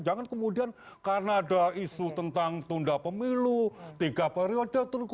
jangan kemudian karena ada isu tentang tunda pemilu tiga periode